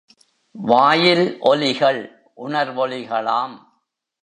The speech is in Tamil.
வாயில் ஒலிகள், உணர்வொலிகளாம்.